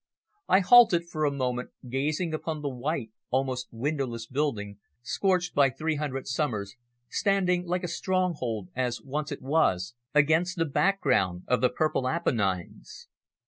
I halted for a moment, gazing upon the white, almost windowless building, scorched by three hundred summers, standing like a stronghold, as once it was, against the background of the purple Apennines.